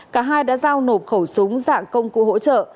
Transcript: cả hai đã giao nộp khẩu súng dạng công cụ hỗ trợ